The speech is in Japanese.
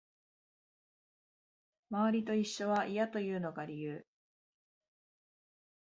周りと一緒は嫌というのが理由